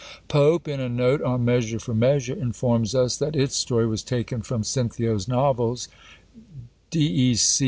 Pope, in a note on Measure for Measure, informs us, that its story was taken from Cinthio's Novels, _Dec.